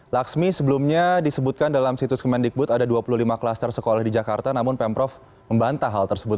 laksmi sebelumnya disebutkan dalam situs kemendikbud ada dua puluh lima klaster sekolah di jakarta namun pemprov membantah hal tersebut